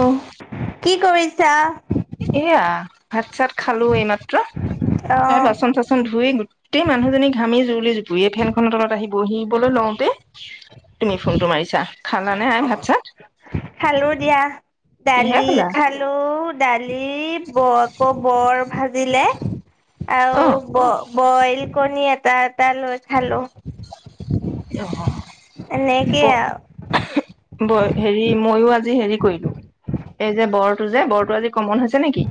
অ কি কৰিছা। এয়া ভাত চাত খালো, এইমাত্ৰ। অ', বাচন চাচন ধুই গোটেই মানুহজনী ঘামি জুৰুলি জুপুৰি ফেনখনৰ তলত আহি। বহিবলৈ লওঁতে। তুমি ফোনটো মাৰিছা, খলা নে আই ভাত চাত। খালো দিয়া, কিহে দালি খালা? খালো। দালি ব আকৌ বৰ ভাজিলে। অ আৰু ব বইল কণী এটা এটা লৈ খালো। অহ' এনেকেই আৰু। ব-বই হেৰি মইও আজি হেৰি। কৰিলো। এ যে বৰতো যে, বৰতো আজি কমন হৈছে নেকি।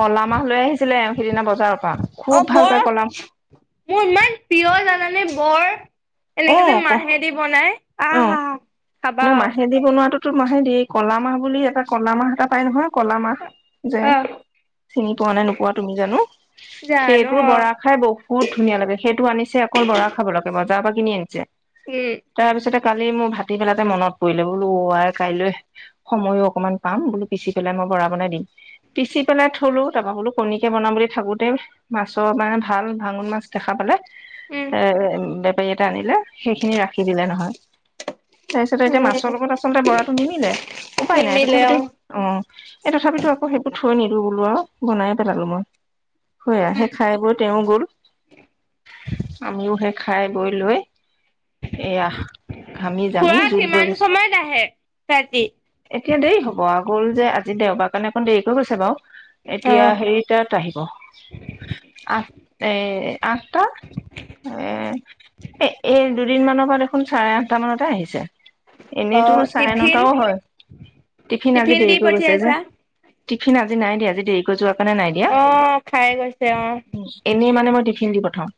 কলা মাহ লৈ আহিছিলে, এ সিদিনা বজাৰত। অহ' বৰ। মোৰ ইমান প্ৰিয় জানানে বৰ। এনেকে যে অহ' কোৱা। মাহেদি বনাই অহ, আহ হা খাবা না আৰু। মহেদি বনোৱাটোত। তোমাৰহে দি কলা মাহ বুলি, এটা কলা মাহ এটা পাই নহয়। কলা মাহ, যে অ', চিনি পোৱা নে নোপোৱা তুমি জানো। জানো সেইটোৰ অ', বৰা খাই বহুত ধুনীয়া লাগে, সেইটো আনিছে অকল বৰা খাবলে কেৱল। বজাৰৰ পৰা কিনি আনিছে, উম, তাৰপিছতে। কালি মোৰ ভাটি বেলাৰপে মনত পৰিলে বোলো আই কাইলৈ, সময়ো অকনমান পাম বোলো পিচি পেলাই মই। বৰা বনাই দিম। পিচি পেলাই থলো তাৰপৰা বোলো কণীকে বনাম বুলি থাকোতে, মাছৰ মানে ভাল। ভাঙোন মাছ দেখা পালে। উম। এ বেপাৰী এটা আনিলে, সেইখিনি ৰাখি দিলে নহয়। তাৰপিছতে এতিয়া উম, মাছৰ লগত আচলতে বৰাটো নিমিলে, উপায় নাই নিমিলে তথাপিতো অ', অহ'। এই তথাপিতো আকৌ, সেইবোৰ থৈ নিদিওঁ বোলো আৰু, বনাইে পেলালো মই। সেয়া হে খাই বৈই তেওঁ গ'ল। আমিও সেই খাই। গৈ লৈ, এয়া। ঘামি জামি খুৰা জল বৈ কিমান গৈছো। সময়ত আহে ৰাতি? এতিয়া দেৰি হ'ব আৰু। গ'ল যে আজি দেওবাৰ কাৰণে অকণ দেৰিকৈ গৈছে বাৰু। এতিয়া অ', হেৰি তাত আহিব। আঠ এ আঠটা এ এ, এই দুদিনমানানৰ পৰা দেখোন চাৰে আঠটা মানতে আহিছে। এনেইটো অ', চাৰে টিফিন? নটাও হয়। টিফিন আজি দি দেৰিক গৈছে যে। পঠিয়াইছা? টিফিন আজি নাই দিয়া আজি দেৰিকৈ যোৱা কাৰণে নাই দিয়া অ', খাই গৈছে অ'। এনেই মানে মই টিফিন দি প্ৰথম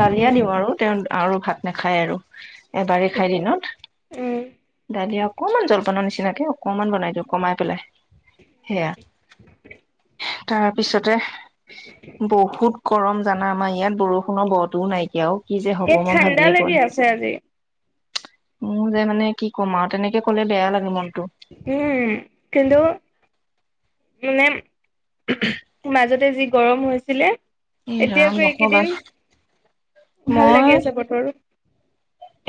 দালিয়া দিওঁ আৰু তেওঁ আৰু ভাত নাখায় আৰু এবাৰেই খাই দিনত। উম, দালি আৰু অকমান জলপান নিচিনা। নিচিনাকে অকনমান বনাই দিওঁ কমাই পেলাই, সেয়া। তাৰপিছতে। বহুত গৰম জানা আমাৰ ইয়াত বৰষুণৰ বটোও নাইদিয়া ও কি যে হ'ব এই মই ঠাণ্ডা ভাবিয়ে লাগি পোৱা আছে আজি। নাই। [unintelligible] মোৰ যে মানে কি ক'ম আৰু, তেনেকে ক'লে বেয়া লাগে মন। উম' কিন্তু মানে। মাজতে যি গৰম হৈছিলে। এ ৰাম এতিয়াকৌ নকবা এইকেইদিন ভাল মই লাগি আছে বতৰ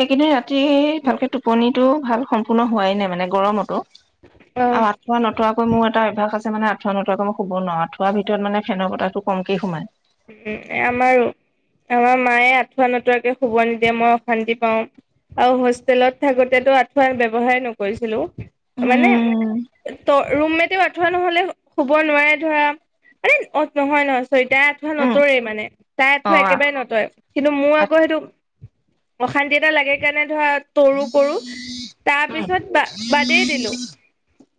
এইকেইদিন ৰাতি ভালকে টোপনিতটো ভাল সম্পূৰ্ণ হোৱাই নাই মানে গৰমতো অ'। আৰু আঠুৱা নথোৱাকৈ মোৰ এটা অভ্যাস আছে তাৰমানে আঠুৱা নতৰাকে মই শুব নোৱাৰো, আঠুৱা ভিতৰত মানে ফেনৰ বতাহটো কমকে সোমায়। উম, আমাৰো। আমাৰ মায়ে আঠুৱা নতুৱাকে শুব নিদিয়ে, মই অশান্তি পাও। আৰু হোষ্টেলত থাকোতেতো আঁঠুৱা ব্যৱহাৰে নকৰিছিলো। মানে উম ত' ৰুমমেতেও আঠুৱা নহলে শুব নোৱাৰে। ধৰা মানে অ' নহয় নহয় চয়তা আঠুৱা উম নতৰেই মানে তাই অ আঁঠুৱা আ- একেবাৰে নতৰে। কিন্তু মোৰ আকৌ সেইটো অশান্তি এটা লাগে সেইকাৰণে ধৰা, তৰু কৰো, উম তাৰপিছত বা-বাদেই দিলো।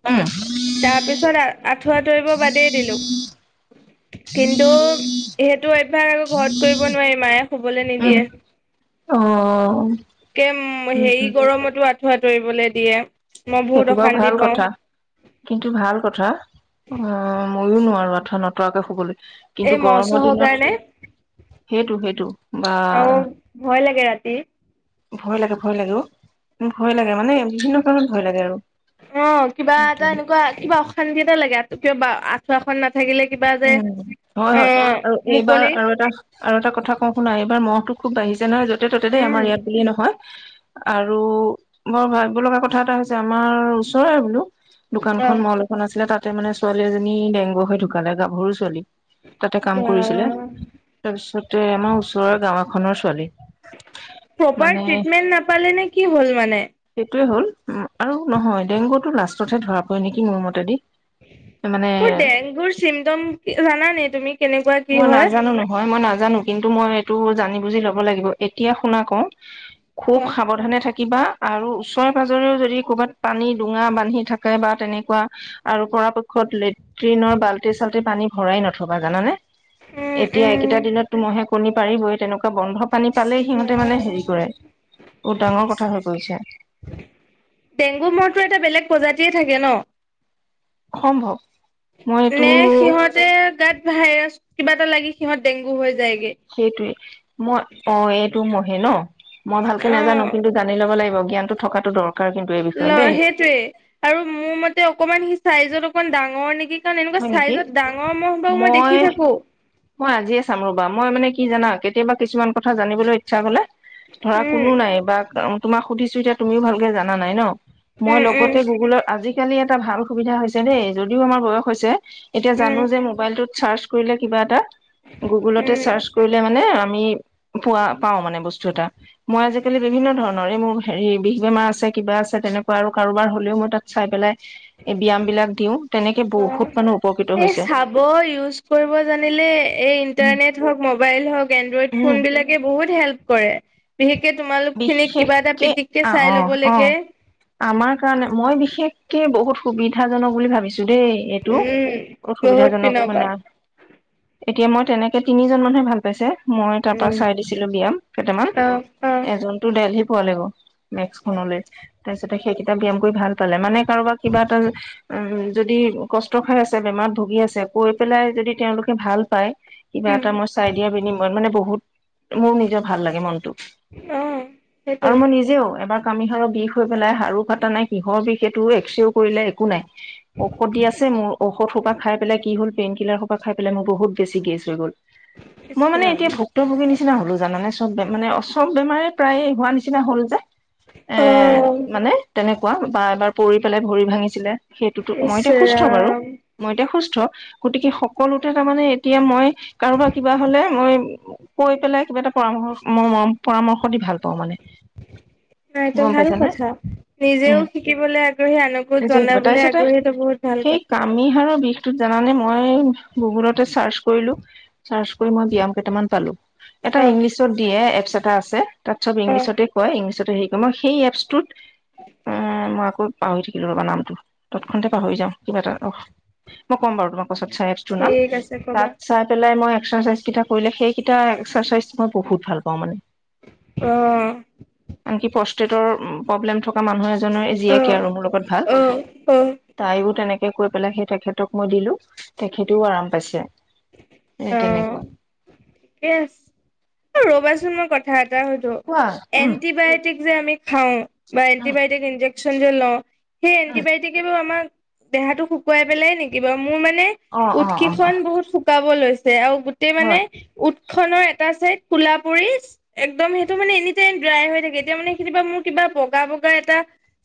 উম তাৰপিছত আৰ আঁঠুৱা তৰিব বাদেই দিলো। কিন্তু, সেইটো অভ্যাস আকৌ ঘৰত কৰিব নোৱাৰি মায়ে শুবলে উম নিদিয়ে। অ একেম উম হেৰি উম গৰমতো আঁঠুৱা তৰিবলে দিয়ে। মই বহুত সেইটো বাও অশান্তি ভাল পাওঁ কথা, কিন্তু ভাল কথা, অ' মইয়ো নোৱাৰো। আঁঠুৱা নতৰাকৈ শুবলে। কিন্তু এই মহ গৰমৰ চহৰ দিনত কাৰণে সেইটো সেইটো বা আৰু ভয় লাগে ৰাতি ভয় লাগে, ভয় লাগে অ', উ ভয় লাগে মানে বিভিন্ন কাৰণত ভয় লাগে আৰু। অ' কিবা এটা উম এনেকুৱা কিবা অশান্তি এটা লাগে কিয়া আঁঠুৱাখন নাট উম হয় হয়, আৰু এইবাৰ মুকলি আৰু এটা আৰু এটা কথা কওঁ শুনা এইবাৰ মহটো খুব বাঢ়িছে নহয় য'তে ত'তে দেই উম, আমাৰ ইয়াত বুলি নহয়। আৰু বৰ ভাবিব লগা কথা এটা হৈছে আমাৰ ওচৰৰে বোলো দোকানখন অ'। মল এখন আছিলে তাতে মানে ছোৱালী এজনী ডেংগ হৈ ঢুকালে, গাভৰু ছোৱালী। তাতে কাম কৰিছিলে তাৰপিছতে আমাৰ ওচৰৰ গাঁও এখনৰ ছোৱালী প্ৰপাৰ মানে ট্ৰিটমেণ্ট নাপালে নে কি হ'ল মানে? সেইটোৱে হ'ল উম, আৰু নহয় ডেংগুটো লাষ্টতহে ধৰা পৰে নেকি মোৰ মতেদি। ত'মানে তোৰ ডেংগুৰ চিমটম জানা নে তুমি? কেনেকুৱা কি মই হয়? নাজানো নহয় মই নাজ নাজানো কিন্তু মই এইটো জানি বুজি ল'ব লাগিব এতিয়া শুনা কওঁ খুব কোৱা। সাৱধানে থাকিবা আৰু ওচৰে- পাজৰেও যদি ক'ৰবাত পানী ডোঙা বান্ধি থাকে বা তেনেকুৱা আৰু পৰাপক্ষত লেট লেট্ৰিনৰ বাল্টি চাল্টি পানী ভৰাই নথবা জানানে উম, এতিয়া উম। এইকেইটা দিনত তো ম'হে কণী পাৰিবই তেনেকোৱা ত'বন্ধ পানী পালেই সিহঁতে মানে হেৰি কৰে বহুত ডাঙৰ কথা হৈ গৈছে। ডেংগু মহটো এটা বেলেগ প্ৰজাতিয়ে থাকে ন? সম্ভৱ। মই নে এইটো সিহঁতে গাত ভাইৰাছ কিবা এটা লাগি সিহঁত ডেংগু হৈ য সেইটোৱে মই অ, এইটো ম'হে ন? মই ভালকে নাজানো অ', কিন্তু জানি ল'ব লাগিব জ্ঞানটো থকাটো দৰ লই সেইটোৱে আৰু মোৰ মতে অকমান সি চাইজত অকমান ডাঙৰ নেকি কাৰণ এনেকুৱা হয় নেকি চাইজত ডাঙৰ মহ বাহু মই দেখি থাকো। মই আজিয়ে চাম ৰ'বা মই মানে কি জানা কেতিয়াবা কিছুমান কথা জানিবলৈ ইচ্ছা হলে ধৰা উম কোনো নাই বা তোমাক সুধিছো এতিয়া তুমিও ভালকে জানা নাই ন মই উম উম লগতে গুগলৰ আজি আজিকালি এটা ভাল সুবিধা হৈছে দেই যদিও আমাৰ বয়স হৈছে এতিয়া জানো উম যে মোবাইলটোত চাৰ্চ কৰিলে কিবা এটা গুগলতে উম চাৰ্চ কৰিলে মানে [unintelligible] পোৱা পাওঁ মানে বস্তু এটা মই আজিকালি বিভিন্ন ধৰণৰ এই মোৰ হেৰী বিষ বেমাৰ আছে কিবা আছে তেনেকুৱা আৰু কাৰোবাৰ হলেও মই তাত চাই পেলাই এই ব্যায়াম বিলাক দিওঁ তেনেক কে অ বহুত মানে উপৰ এই চাব ইউজ কৰিব জানিলে এই ইণ্টাৰনেট হওঁক, মবাইল হওঁক, এনড্ৰইড ফোন উম বিলাকে বহুত হেল্প কৰে বিশেষ বিশেষকে অ', -অ', - অ' লবলৈকে আমাৰ কাৰণে মই বিশেষকে কি বহুত সুবিধাাজনক বুলি ভাবিছো। দেই এইটো উম বহুত অসুবিধাজনক পিনৰ পৰা মানে। এতিয়া মই তেনেকে তিনিজন মানুহে ভাল পাইছে, মই তাৰ পৰা উম চাই দিছিলো বিয়াম কেইটামান। অ অ টো দেলহি পোৱা লে গৈ। মেক্স খনলৈ তাৰপিছতে সেইকেইটা ব্যায়াম কৰি ভাল পালে মানে কাৰোবাক কিবা এটা উ যদি কষ্ট খাই আছে, বেমাৰ ভুগি আছে, কৈ পেলাই যদি তেওঁলোকে ভাল পায়। কিবা উম এটা মই চাই দিয়া বিনিময় মানে বহুত মোৰ নিজৰ ভাল লাগে মনটো। অ আৰু সেইটোৱে মই নিজেও এবাৰ কামিহাৰৰ বিষ হৈ পেলাই আৰু কাটা নাই কিহৰ বিষ এইটো, এক্স ৰেও কৰিলে একো নাই, ঔষধ দি আছে। মোৰ ঔষধ সোপা খাই পেলাই কি হ'ল পেইন কিলাৰ সোপা খাই পেলে মোৰ বহুত বেছি গেছ হৈ গ'ল। মই মানে এতিয়া ভুক্তভোগীৰ নিচিনা হ'লো জানেনে চব মানে চব বেমাৰ প্ৰায় হোৱা নিচিনা হ'ল যে এ অ মানে তেনে কোৱা বা এবাৰ পৰি পেলাই ভৰি ভাঙিছিলে। সেইটোতো মই এতিয়া সুস্থ বাৰু ইচৰাম মই এতিয়া সুস্থ গতিকে সকলোতে তাৰমানে এতিয়া মই। কাৰোবাৰ কিবা হ'লে মই কৈ পেলাই কিবা এটা পৰামৰ্শ মই মৰম পৰামৰ্শ দি ভাল পাওঁ মানে অ' এইটো গম ভাল পাইছানে কথা। নিজেও উম শিকিবলৈ আগ্ৰহী, আনকো যে শিকিব জনাবলৈ তাৰপিছতে আগ্ৰহী এইটো বহুত ভাল কথা। টো জানানে মই গুগলতে চাৰ্চ কৰিলো। চাৰ্চ কৰি মই ব্যায়াম কেইটামান পালো, এটা অ ইংলিছত দিয়ে, এপছ এটা আছে। তাত চব অ', ইংলিছতে কয়, ইংলিছতে হেৰি কৰে মই সেই এপচটোত মই আকৌ পাহৰি থাকিলো ৰবা নামটো তৎক্ষনাতে পাহৰি যাওঁ কিবা এটা অ মই কম বাৰু তোমাক [unintelligible] এপছ তোৰ নাম, ঠিক আছে কবা তাত চাই পেলে মই এক্সাৰচাইজ কেইটা কৰিছিলো, সেই কেইটা মই বহুত ভাল পাওঁ মানে অহ। কষ্টেটৰ প্ৰব্লেম থকা মানুহে নৰ অ জীয়েকে আৰু মোৰ লগত ভাল অ তাইও তেনেকে কৈ পেলাই সেই তেখেতক মই দিলো তেখেতেও আৰাম পাইছে। সেই তেনেকুৱা অ ঠিকে আছে অ' ৰবাচোন মই কথা হয়, কোৱা উম এন্টিবায়টিক যে আমি খাও বা উম এন্টিবায়টিক ইনজেকচন ইনজেকচন যে লও সেই উম এন্টিবায়টিকে বাৰু আমাক দেহাতো শুকুৱাই পেলাই নেকি বাৰু? মোৰ মানে অ অ ওঠ অ কিখন অ', বহুত শুকাব লৈছে আৰু গোটেই মানে হয় মুখখনৰ এটা চাইড ক'লা পৰি একদম সেইটো মানে এনি টাইম ড্ৰাই হৈ থাকে এতিয়া মানে কেতিয়াবা মই কিবা বগা বগা এটা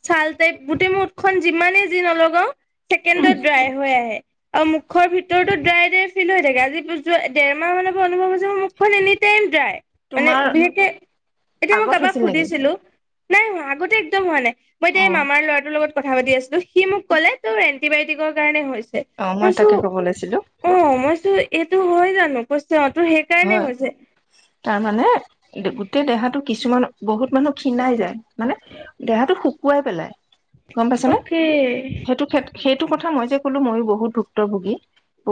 ছাল টাইপ, গোটেই মোৰ ওঠখন যিমানেই যি নলগাওঁ ছেকেণ্ডত ড্ৰাই হৈ আহে। অ' মুখৰ ভিতৰতো ড্ৰাই, ড্ৰাই ফিল হৈ থাকে আজি যোৱা ডেৰ মাহ মানত। অনুভৱ হৈছে মোৰ মুখখন এনি টাইম ড্ৰাই। মানে তোমাৰ বিশেষকে এতিয়া মই আগত কাৰোবাক হৈছিল নেকি সুধিছিলো। নাই হোৱা, আগতে একদম হোৱা নাই মই অ এতিয়া এই মামাৰ ল'ৰাটোৰ লগত কথা পাতি আছিলো সি মোক ক'লে তোৰ এণ্টিবায়টিকৰ কাৰণে হৈছিল। অ মই কৈছো তাকে ক'ব লৈছিলো অ' মই চো এইটো হয় জানো। অ তোৰ সেইকাৰণে হয়, হৈছে তাৰমানানে গোটেই দেহাটো কিছুমানে বহুত মানুহ খিণাই যায় মানে দেহাটো শুকুৱাই পেলাই। গম পাইছ নে অকে সেইটো ক্ষেত্ৰত। সেইটো কথা মই যে ক'লো মইয়ো বহুত ভুক্তভোগী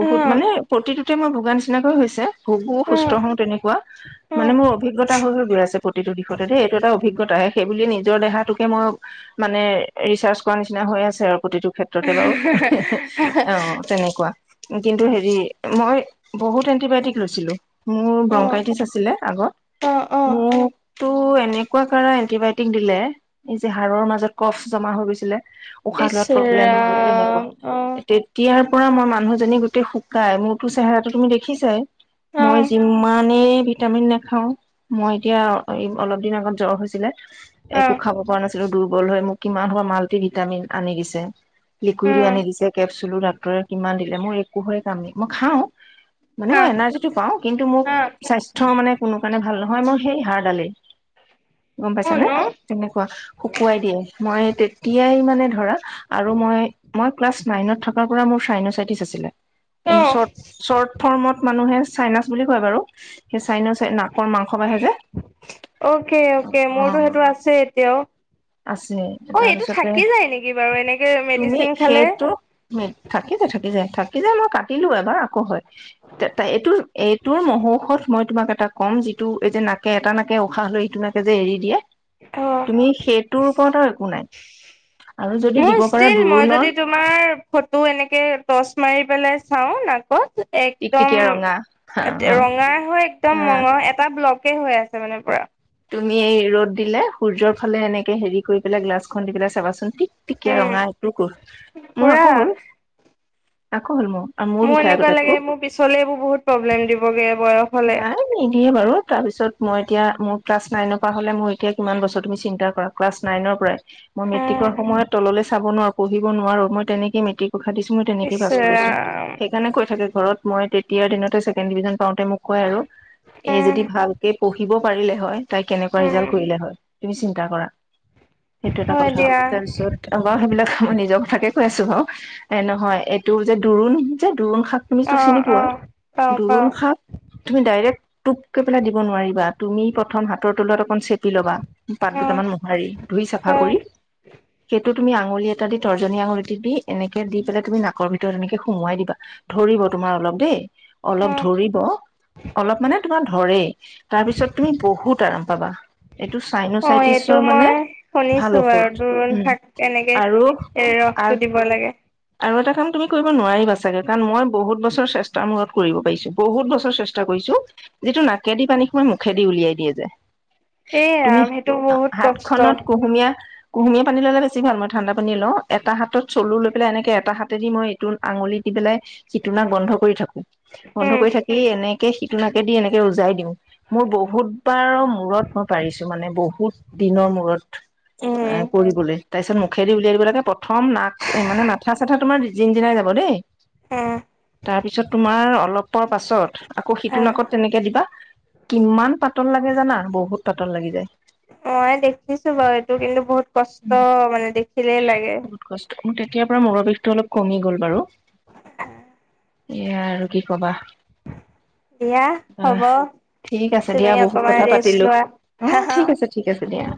অ মানে প্ৰতিটো ত' মই ভোগা নিচিনাকৈ হৈছে। ভোগো- অ সুস্থ হওঁ তেনেকুৱা অ মানে মোৰ অভিজ্ঞতা হৈ গৈ আছে, প্ৰতিটো দিশতে দেই, এইটো এটা অভিজ্ঞতাহে সেইবুলিয়ে নিজৰ দেহাটোকে মই মানে ৰিচাৰ্্চ কৰা নিচিনা হৈ আছে আৰু। প্ৰতিটো ক্ষেত্ৰতে বাৰু অ', তেনেকুৱা। কিন্তু হেৰি মই বহুত এন্টিবায়টিক লৈছিলো। মোৰ অ ব্ৰংকাইটিচ আছিলে আগত অ অ মোকতো এনেকুৱা কাৰ এণ্টিবায়টিক দিলে এই যে হাড়ৰ মাজত কফ জমা হৈ গৈছিলে উশাহ ইচ লোৱাত প্ৰব্লেম হয় তেনেকুৱা ৰাম অ তেতিয়া পৰা মই মানুহজনী গোটেই শুকাই মোৰতো চেহেৰাটো তুমি দেখিছাই অ মই অ যিমানেই ভিটামিন নেখাও মই এতিয়া অলপ দিন আগত জ্বৰ হৈছিলে। একো খাব পৰা নাছিলো দুৰ্বল হৈ মোক কিমান সোপা মাল্টিভিটামিন আনি দিছে। লিকুইডো উম আনি দিছে কেপচুলো ডাক্তৰে কিমান দিলে মোৰ একোৰে হৈ কাম মই খাও মানে হা মই এনাৰ্জিটো পাওঁ কিন্তু মোক হা স্বাস্থ্যৰ মানে কোনো মানে ভাল নহয় মোৰ সেই হাড়ডালেই। গম অ পাইছানে ন তেনেকুৱা শুকুৱাই দিয়ে মই তেতিয়াই মানে ধৰা আৰু মই মই ক্লাছ নাইনত থকাৰ পৰা মোৰ চাইনাছাইটিছ আছিলে। অ চৰ্ট চৰ্ট ফৰ্মত মানুহে চাইনাচ বুলি কয় বাৰু সেই চাইনেচ নাকৰ মাংস বাইে যে। অকে অকে অ মোৰতো সেইটো আছে এতিয়াও। আছে অ এইটো তাৰপিছতে থাকি যায় নেকি বাৰু এনেকে তুমি মেডিচিন খালে সেইটো [unintelligible] থাকি যায় থাকি যায় থাকি যায়, মই কাটিলো এবাৰ আকৌ হয় এইটো এইটোৰ মহৌষত মই তোমাক এটা কম যিটো এই যে নাকে এটা নাকে উশাহ লৈ ইটো নাকে যে এৰি দিয়ে। অ তুমি সেইটোৰ ওপৰত আৰু একো নাই। আৰু যদি মোৰ দিব পাৰা ষ্টিল মই দোৰোণৰ যদি তোমাৰ ফটো এনেকে টচ মাৰি পেল চাওঁ নাকত একদম টিকটিকিয়া ৰঙা অ ৰঙা হয় একদম মঙহ এটা ব্লক হৈ আছে মানে পুৰা তুমি এই ৰ'দ দিলে সূৰ্যৰ ফালে এনেকে হেৰি কৰি পেলাই গ্লাছ খন্দি পেলাই চাবাচোন ঠিক তিকীয়া উম ৰঙা এইটো কোৰ মোৰ পুৰা আকৌ হ'ল আকৌ হ'ল মোৰ। আৰু মোৰ বিষয় এনেকুৱা আগতে লাগে খুব মোৰ পিছলে এইবোৰ বহুত প্ৰব্লেম দিবগে বয়স হলে নাই নিদিয়ে বাৰু তাৰ পিছত মই এতিয়া মোৰ ক্লাছ নাইনৰ পৰা হলে মোৰ এতিয়া কিমান বছৰ তুমি চিন্তা কৰা ক্লাছ নাইনৰ পৰাই। মই উম মেট্ৰিকৰ সময়ত তললৈ চাব নোৱাৰো পঢ়িব নোৱাৰো মই তেনেকে মেট্ৰিক কখা দিছো মই তেনেকে ইচ পাছ কৰিছো ৰাম সেইকাৰণে কৈ থাকে। ঘৰত মই তেতিয়াৰ দিনতেই ছেকেণ্ড ডিভিজন পাওঁতেই মোক কৈ আৰু এই উম যদি ভালকে পঢ়ি দিব পাৰিলে হয় তাই কেনেকুৱা ৰিজাল্ট উম কৰিলে হয় তুমি চিন্তা কৰা। সেইটো এটা হয় কথা দিয়া তাৰপিছত এবাৰ সেইবিলাক মই নিজৰ কথাকে কৈ আছো বাৰু। এ নহয় এইটো যে দৰো নহয় যে দোৰোণ শাক তুমি যটো অ চিনি অ পোৱা পাওঁ দোৰোণ পাওঁ শাক তুমি ডাইৰেক্ট টোপকে পেলাই দিব নোৱাৰিবা তুমি প্ৰথম হাতৰ তলুৱাতোত [unintelligible] চেপি ল'বা পাত অ দুটামান মোহাৰি ধুই অ চাফা কৰি সেইটোত তুমি আঙুলি এটা দি তৰ্জনী আঙুলি দি এনেক দি পাই তুমি নাকৰ ভিতৰত এনেক সোমাই দিবা ধৰিব তোমাৰ অলপ দেই অলপ অ ধৰিব অলপ মানে তোমাৰ ধৰে। তাৰ পিছত তুমি বহুত আৰাম পাবা। এইটো অ এইটো চাইনচাইটিছৰ মানে মই ভাল শুনিছো বাৰু ঔষধ দোৰোণ উম শাক কেনেকে আৰু এ ৰসটো দিব লাগে আৰু এটা কাম তুমি কৰিব নোৱাৰিবা ছাগে কাৰণ মই বহুত বছৰ চেষ্টাৰ মূৰত কৰিব পাৰিছো বহুত বছ চেষ্টা কৰিছো যিটো নাকেদি পানী সোমাই মুখেদি উলিয়াই দিয়ে যে। এই তুমি ৰাম সেইটো বহুত হাত কষ্ট খনত উম কুহুমীয়া কুহুমীয়া পানী ললে বেছি ভাল মই ঠাণ্ডা পানী লওঁ এটা হাতত চলু লৈ পেলাই এনেকে এটা হাতে দি মই এইটো আঙুলি দি পেলাই সিটো নাক বন্ধ কৰি থাকো বন্ধ কৰি থাকি এনেকে সিটো নাকে দি এনেকে উজাই দিওঁ মোৰ বহুতবাৰৰ মূৰত মই পাৰিছো মানে বহুত দিনৰ মূৰত। উম কৰিবলৈ, তাৰপিছত মোক। খেদি উলিয়াই দিব লাগে প্ৰথম নাক, মানে মাঠা-চাঠা তোমাৰ জিনজিনাই যাব দেই। উম তাৰপিছত তোমাৰ অলপৰ পাছত আকৌ সিটো নাকত তেনেকে দিবা কিমান পাতল লাগে জানা, বহুত পাতল লাগি যায়। মই দেখিছো বাৰু এইটো কিন্তু বহুত উম কষ্ট, মানে দেখিলেই লাগে। বহুত কষ্ট মোৰ তেতিয়াৰ পৰা মূৰৰ বিষটো অলপ কমি গ'ল বাৰু। [unintelligible] এয়া আৰু কি কবা। দিয়া, হ'ব। আহ ঠিক আছে দিয়া তুমি বহুত অকমান কথা ৰেষ্ট পাতিলো। লোৱা হা অ', হা ঠিক আছে, ঠিক আছে দিয়া।